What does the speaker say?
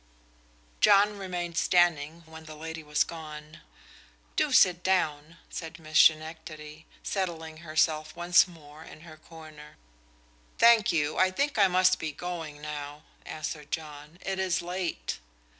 John remained standing when the lady was gone. "Do sit down," said Miss Schenectady, settling herself once more in her corner. "Thank you, I think I must be going now," answered John. "It is late."